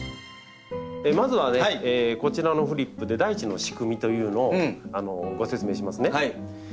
まずはねこちらのフリップで大地の仕組みというのをご説明しますね。